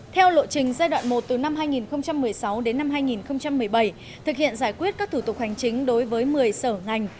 theo lộ trình giai đoạn một từ năm hai nghìn một mươi sáu đến năm hai nghìn một mươi bảy thực hiện giải quyết các thủ tục hành chính đối với một mươi sở ngành